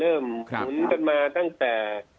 เริ่มขุนจนมาตั้งแต่